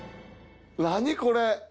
何これ！